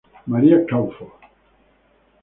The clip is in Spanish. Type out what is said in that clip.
Maria Crawford.